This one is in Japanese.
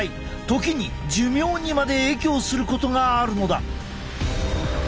時に寿命にまで影響することがあるのだ。